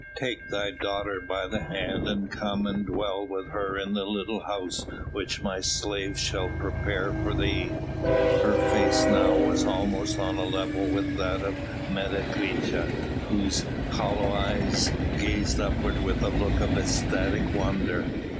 Take thy daughter by the hand and come and dwell with her in the little house which my slaves shall prepare for thee." Her face now was almost on a level with that of Menecreta, whose hollow eyes gazed upwards with a look of ecstatic wonder.